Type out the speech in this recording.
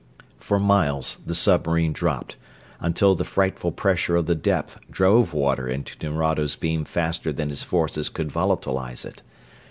For miles the submarine dropped, until the frightful pressure of the depth drove water into Nerado's beam faster than his forces could volatilize it.